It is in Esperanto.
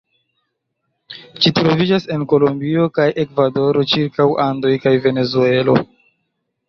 Ĝi troviĝas en Kolombio kaj Ekvadoro ĉirkaŭ Andoj kaj Venezuelo.